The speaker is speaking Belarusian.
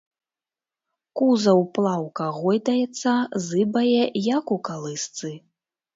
Кузаў плаўка гойдаецца, зыбае, як у калысцы.